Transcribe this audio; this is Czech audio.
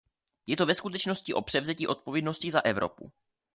Je to ve skutečnosti o převzetí odpovědnosti za Evropu.